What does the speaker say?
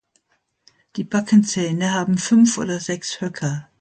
Die Backenzähne haben fünf oder sechs Höcker.